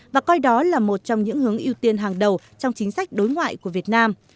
và coi đó là một trong những hướng ưu tiên hàng đầu trong chính sách đối ngoại của việt nam